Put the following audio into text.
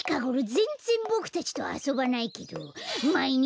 ぜんぜんボクたちとあそばないけどまいにちどこにいって。